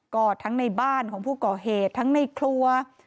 ก็ทั้งในบ้านของผู้ก่อเหตุทั้งในครัว